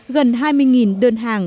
gần hai mươi đơn hàng